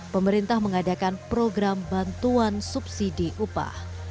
pemerintah mengadakan program bantuan subsidi upah